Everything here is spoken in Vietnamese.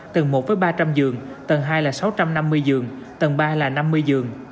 tầng một với ba trăm linh dường tầng hai là sáu trăm năm mươi dường tầng ba là năm mươi dường